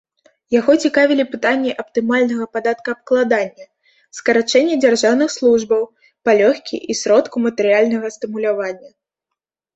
Яго цікавілі пытанні аптымальнага падаткаабкладання, скарачэння дзяржаўных службаў, палёгкі і сродку матэрыяльнага стымулявання.